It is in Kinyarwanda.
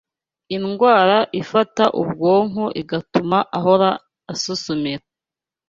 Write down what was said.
indwara ifata ubwonko igatuma ahora asusumira